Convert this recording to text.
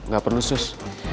gak perlu sus